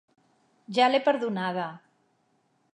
Ja l'he perdonada.